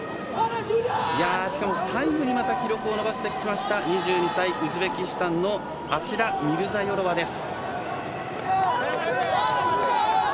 しかも最後にまた記録を伸ばしてきた２２歳、ウズベキスタンのアシラ・ミルザヨロワです。